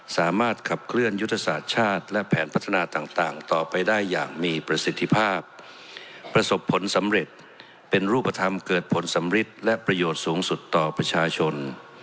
สามารถขับเคลื่อนยุทธศาสตร์ชาติและแผนพัฒนาต่างต่อไปได้อย่างมีประสิทธิภาพประสบผลสำเร็จเป็นรูปธรรมเกิดผลสำริดและประโยชน์สูงสุดต่อประชาชน